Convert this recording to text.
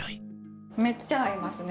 めっちゃ合いますね。